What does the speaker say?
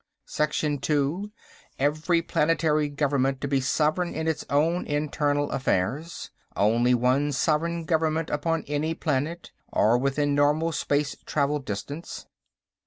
Section Two: Every planetary government to be sovereign in its own internal affairs.... Only one sovereign government upon any planet, or within normal space travel distance....